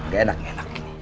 gak enak gak enak